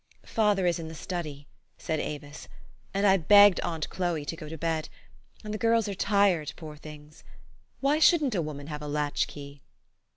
"Father is in the study," said Avis; "and I begged aunt Chlpe to go to bed ; and the girls are tired, poor things ! Why shouldn't a woman have a latch key?"